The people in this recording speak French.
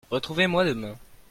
Retrouvez-moi demain.